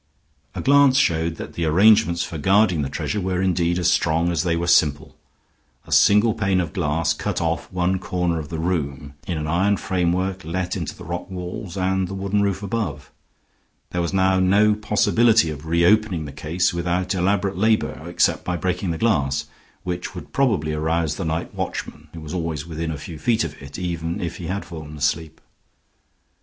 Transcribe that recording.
A glance showed that the arrangements for guarding the treasure were indeed as strong as they were simple. A single pane of glass cut off one corner of the room, in an iron framework let into the rock walls and the wooden roof above; there was now no possibility of reopening the case without elaborate labor, except by breaking the glass, which would probably arouse the night watchman who was always within a few feet of it, even if he had fallen asleep.